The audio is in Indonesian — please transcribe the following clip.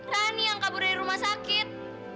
rani yang kabur dari rumah sakit